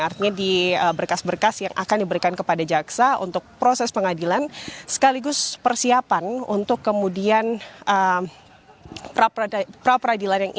artinya di berkas berkas yang akan diberikan kepada jaksa untuk proses pengadilan sekaligus persiapan untuk kemudian pra peradilan yang ini